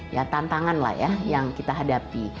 ya tantangan lah ya yang kita hadapi